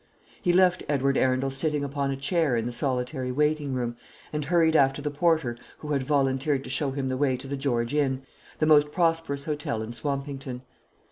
He left Edward Arundel sitting upon a chair in the solitary waiting room, and hurried after the porter who had volunteered to show him the way to the George Inn, the most prosperous hotel in Swampington.